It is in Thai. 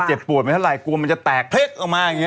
ปวดไม่เท่าไรกลัวมันจะแตกเพล็กออกมาอย่างนี้